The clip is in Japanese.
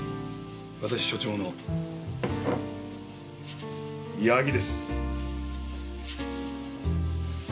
私所長の矢木です。